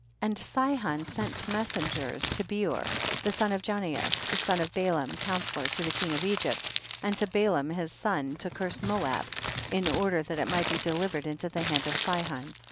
15. And Sihon sent messengers to Beor the son of Janeas, the son of Balaam, counsellor to the king of Egypt, and to Balaam his son, to curse Moab, in order that it might be delivered into the hand of Sihon.